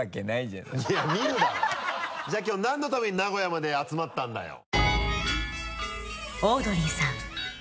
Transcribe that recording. じゃあきょう何のために名古屋まで集まったんだよ。